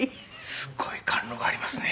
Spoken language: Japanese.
すごい貫禄ありますね。